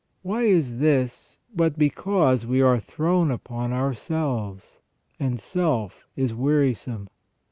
Why is this but because we are thrown upon ourselves, and self is wearisome